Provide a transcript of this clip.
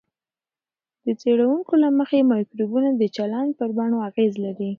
د څېړونکو له مخې، مایکروبونه د چلند پر بڼو اغېز لري.